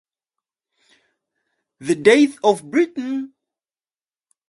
The Death of Britain?